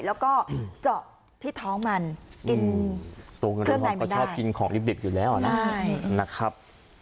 แล้วก็เจาะที่ท้องมันกินเครื่องใดมันได้ก็ชอบกินของลิฟต์เด็กอยู่แล้วนะใช่นะครับ